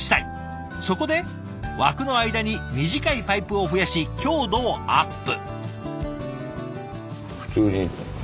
そこで枠の間に短いパイプを増やし強度をアップ。